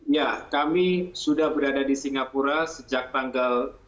ya kami sudah berada di singapura sejak tanggal